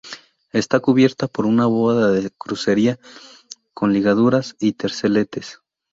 Está cubierta por una bóveda de crucería, con ligaduras y terceletes.